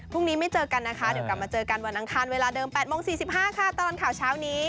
ไม่เจอกันนะคะเดี๋ยวกลับมาเจอกันวันอังคารเวลาเดิม๘โมง๔๕ค่ะตลอดข่าวเช้านี้